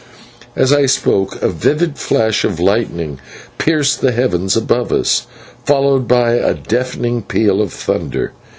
As I spoke a vivid patch of lightning pierced the heavens above us, followed by a deafening peal of thunder.